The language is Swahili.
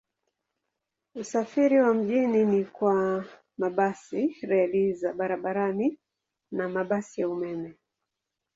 Usafiri wa mjini ni kwa mabasi, reli za barabarani na mabasi ya umeme.